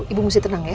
ibu mesti tenang ya